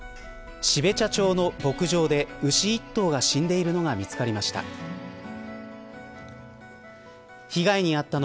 標茶町の牧場で牛１頭が死んでいるのが見つかりました。